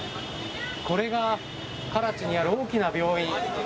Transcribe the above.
これが、カラチにある大きな病院。